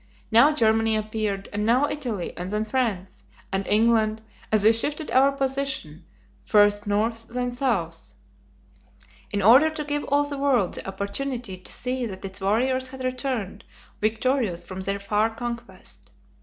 Now Germany appeared, and now Italy, and then France, and England, as we shifted our position, first North then South, in order to give all the world the opportunity to see that its warriors had returned victorious from their far conquest.